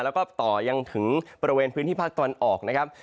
แล้วก็ต่อยังถึงบริเวณพื้นที่ภาคตะวันออกนะครับ